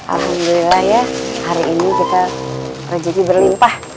alhamdulillah ya hari ini kita rezeki berlimpah